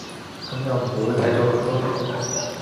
噉又唔會，睇咗咁多年